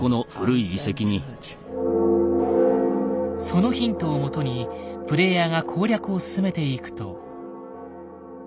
そのヒントをもとにプレイヤーが攻略を進めていくと。